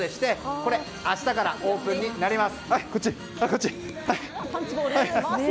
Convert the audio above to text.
明日からオープンになります。